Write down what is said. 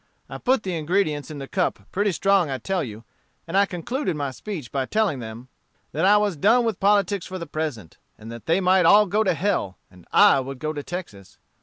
I put the ingredients in the cup pretty strong I tell you, and I concluded my speech by telling them that I was done with politics for the present, and that they might all go to hell, and I would go to Texas.